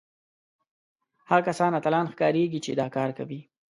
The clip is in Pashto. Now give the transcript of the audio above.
هغه کسان اتلان ښکارېږي چې دا کار کوي